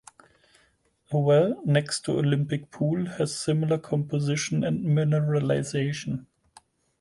A well next to Olympic pool has similar composition and mineralization.